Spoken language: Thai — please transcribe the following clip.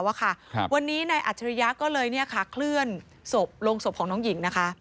วันนี้นายอัจฉริยะก็เลยเคลื่อนศพลงศพของน้องหญิงนะคะ